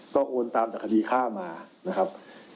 โอนตามจากคดีฆ่ามานะครับ